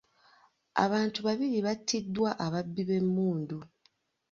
Abantu babiri batiddwa ababbi b'emmundu.